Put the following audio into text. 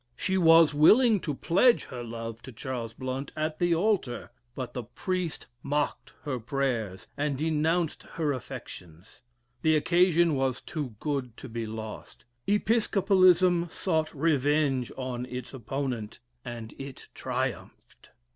She was willing to pledge her love to Charles Blount at the altar, but the priest mocked her prayers and denounced her affections. The occasion was too good to be lost. Episcopalism sought revenge on its opponent, and it triumphed.